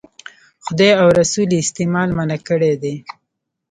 خدای او رسول یې استعمال منع کړی دی.